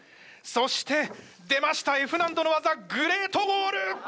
そして出ましたＦ難度の技グレートウォール！